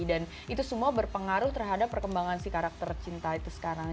dan itu semua berpengaruh terhadap perkembangan si karakter cinta itu sekarang